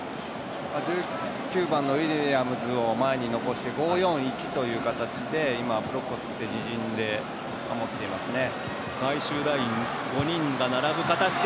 １９番のウィリアムズを前に残して５−４−１という形で今ブロックを作って自陣で守っていますね。